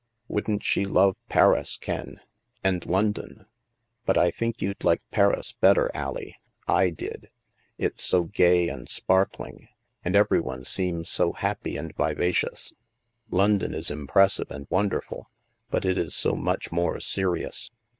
"Wouldn't she love Paris, Ken, and London? But I think you'd like Paris better, AUie; I did. It's so gay and sparkling, and every one seems so happy and vivacious. London is impressive and wonderful, but it is so much more serious.